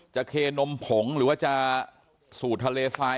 จะเคนมผงหรือว่าจะสูดทะเลไซด์